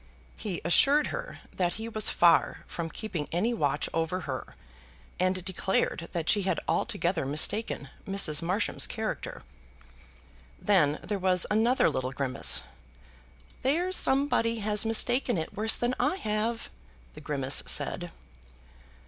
He assured her that he was far from keeping any watch over her, and declared that she had altogether mistaken Mrs. Marsham's character. Then there was another little grimace. "There's somebody has mistaken it worse than I have," the grimace said.